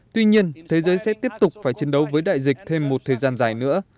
tuy nhiên thế giới sẽ tiếp tục phải chiến đấu với đại dịch thêm một thời gian dài nữa